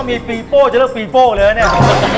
ถ้ามีปีโป้จะเรียกปีโป้เลยนะเนี่ย